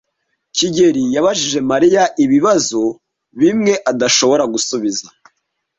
kigeli yabajije Mariya ibibazo bimwe adashobora gusubiza.